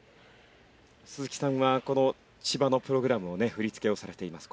鈴木さんはこの千葉のプログラムをね振り付けをされています。